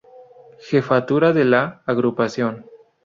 Jefatura de la Agrupación.